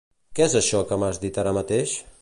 Què és això que m'has dit ara mateix?